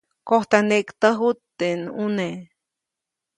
Kojtaŋneʼktäju teʼ ʼnune.